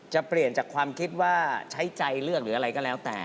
จะเปลี่ยนจากความคิดว่าใช้ใจเลือกหรืออะไรก็แล้วแต่